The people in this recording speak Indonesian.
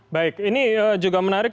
baik ini juga menarik